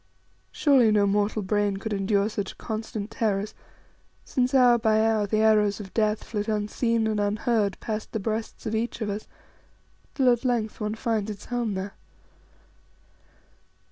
Surely no mortal brain could endure such constant terrors, since hour by hour the arrows of death flit unseen and unheard past the breasts of each of us, till at length one finds its home there.